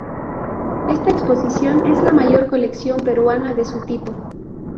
Esta exposición es la mayor colección peruana de su tipo.